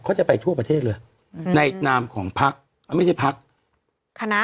เขาจะไปทั่วประเทศเลยอืมในนามของพักอ่าไม่ใช่พักคณะ